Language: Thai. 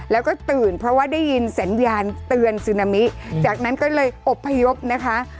แล้วก็ตื่นเพราะว่าได้ยินสัญญาณเตือนซึนามิจากนั้นก็เลยอบพยพนะคะ